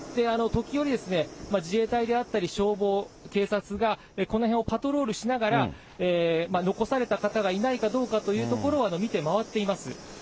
時折、自衛隊であったり消防、警察がこの辺をパトロールしながら、残された方がいないかどうかというところは見て回っています。